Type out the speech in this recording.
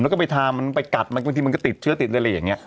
แล้วก็ไปทามันไปกัดมันบางทีมันก็ติดเชื้อติดเลยอะไรอย่างนี้